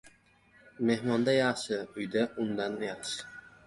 • Mehmonda yaxshi, uyda undan yaxshi.